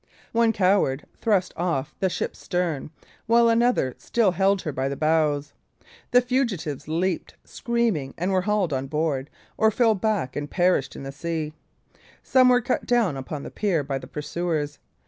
One coward thrust off the ship's stern, while another still held her by the bows. The fugitives leaped, screaming, and were hauled on board, or fell back and perished in the sea. Some were cut down upon the pier by the pursuers.